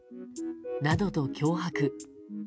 などと脅迫。